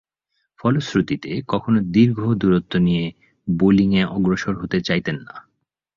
ফলশ্রুতিতে, কখনো দীর্ঘ দূরত্ব নিয়ে বোলিংয়ে অগ্রসর হতে চাইতেন না।